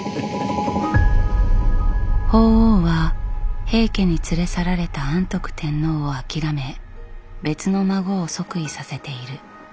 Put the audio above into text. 法皇は平家に連れ去られた安徳天皇を諦め別の孫を即位させている。